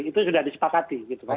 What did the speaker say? itu sudah disepakati